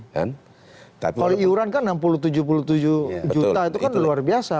kalau iuran kan enam puluh tujuh puluh tujuh juta itu kan luar biasa